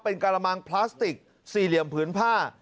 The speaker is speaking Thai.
เป็นกระมังพลาสติกสี่เหลี่ยมผืนผ้า